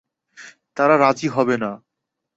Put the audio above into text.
তারা রাজি হবে না।